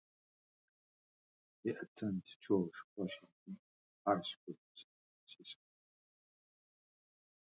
He attended George Washington High School in San Francisco.